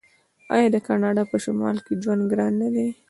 آیا د کاناډا په شمال کې ژوند ګران نه دی؟